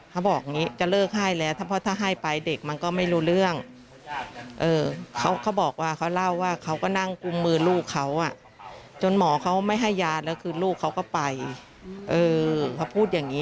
เขาบอกงี้จะเลิกให้แล้วเพราะถ้าให้ไปเด็กมันก็ไม่รู้เรื่อง